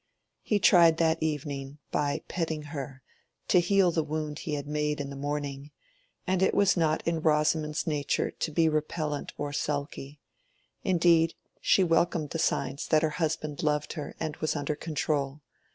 He tried that evening, by petting her, to heal the wound he had made in the morning, and it was not in Rosamond's nature to be repellent or sulky; indeed, she welcomed the signs that her husband loved her and was under control.